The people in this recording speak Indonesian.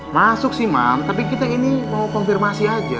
masuk sih mam tapi kita ini mau konfirmasi aja